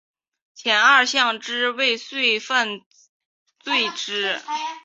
前二项之未遂犯罚之。